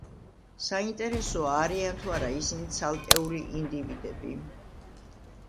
საინტერესოა, არიან თუ არა ისინი ცალკეული ინდივიდები?